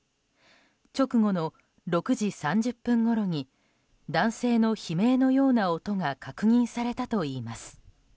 直後の６時３０分ごろに男性の悲鳴のような男が確認されたといいます。